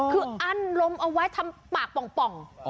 คืออั้นลมเอาไว้ทำปากป่อง